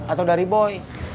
atau dari boy